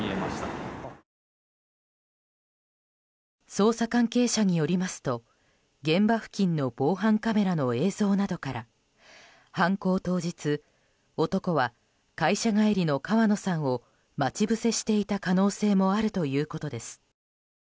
捜査関係者によりますと現場付近の防犯カメラの映像などから犯行当日、男は会社帰りの川野さんを待ち伏せしていた可能性もあるということです。